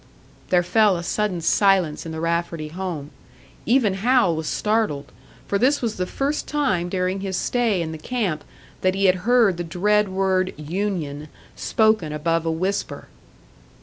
There fell a sudden silence in the Rafferty home. Even Hal was startled for this was the first time during his stay in the camp that he had heard the dread word "union" spoken above a whisper.